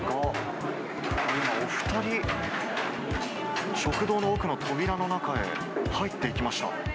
今、お２人、食堂の奥の扉の中へ入っていきました。